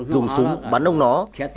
dùng súng bắn ông nó